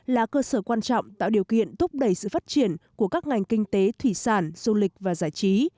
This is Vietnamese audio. là cơ sở quan trọng tạo điều kiện thúc đẩy sự phát triển của các ngành kinh tế thủy sản du lịch và giải trí